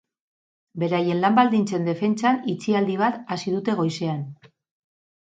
Beraien lan-baldintzen defentsan itxialdi bat hasi dute goizean.